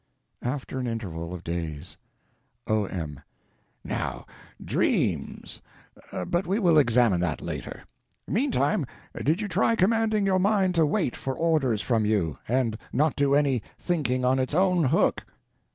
After an Interval of Days O.M. Now, dreams—but we will examine that later. Meantime, did you try commanding your mind to wait for orders from you, and not do any thinking on its own hook?